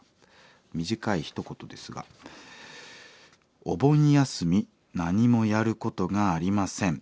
短いひと言ですが「お盆休み何もやることがありません。